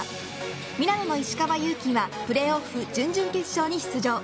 ミラノの石川祐希はプレーオフ準々決勝に出場。